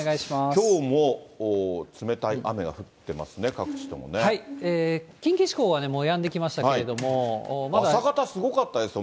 きょうも冷たい雨が降ってま近畿地方は、もうやんできま朝方すごかったですよ、